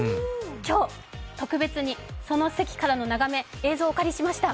今日、特別にその席からの眺め、映像をお借りしました。